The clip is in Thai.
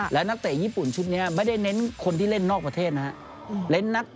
แล้วนักเตะญี่ปุ่นชุดนี้ไม่ได้เน้นคนที่เล่นนอกประเทศนะครับ